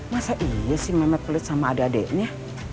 masa iya sih mehmet kulit sama adik adiknya